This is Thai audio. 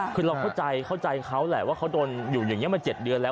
คือเราเข้าใจเข้าใจเขาแหละว่าเขาโดนอยู่อย่างนี้มา๗เดือนแล้ว